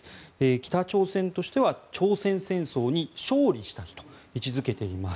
北朝鮮としては朝鮮戦争に勝利した日と位置付けています。